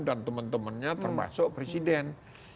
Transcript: dan temen temennya termasuk presiden